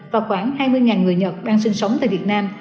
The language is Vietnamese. và khoảng hai mươi người nhật đang sinh sống tại việt nam